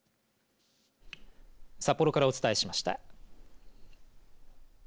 札幌からお伝えしました。